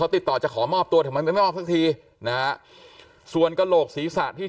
ติดต่อจะขอมอบตัวทำไมไม่มอบสักทีนะฮะส่วนกระโหลกศีรษะที่